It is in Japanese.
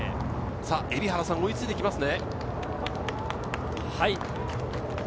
蛯原さん、追いついてきますね。